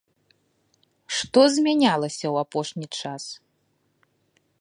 Што змянялася ў апошні час?